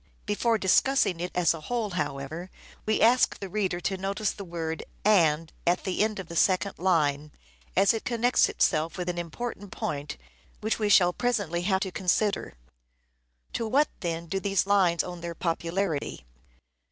Before discussing it as a whole, however, we ask the reader to notice the word " and " at the end of the second line, as it connects itself with an important point which we shall presently have to consider. To what, then, do these lines owe their popularity